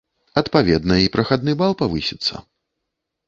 Адпаведна, і прахадны бал павысіцца.